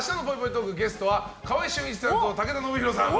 トークゲストは川合俊一さんと武田修宏さん。